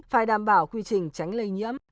phải đảm bảo quy trình tránh lây nhiễm